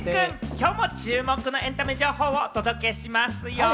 今日も注目のエンタメ情報をお届けしますよ。